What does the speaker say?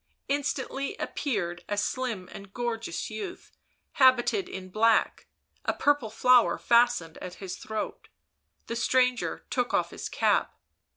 Instantly appeared a slim and gorgeous youth, habited in black, a purple flower fastened at his throat. The stranger took off his cap.